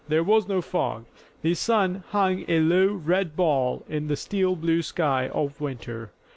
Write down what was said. There was no fog. The sun hung a low, red ball in the steel blue sky of winter.